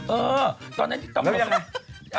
เออตอนนั้นที่ตำรวจแล้วยังไง